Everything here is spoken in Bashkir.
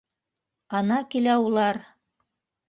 Ана килә улар!